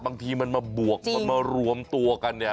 บางทีมันมาบวกมันมารวมตัวกันเนี่ย